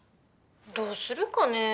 ☎どうするかね。